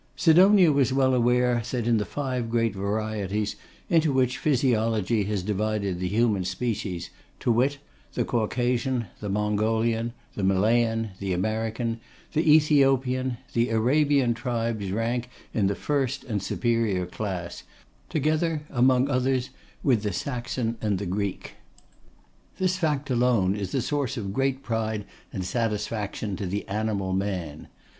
Sidonia was well aware that in the five great varieties into which Physiology has divided the human species; to wit, the Caucasian, the Mongolian, the Malayan, the American, the Ethiopian; the Arabian tribes rank in the first and superior class, together, among others, with the Saxon and the Greek. This fact alone is a source of great pride and satisfaction to the animal Man.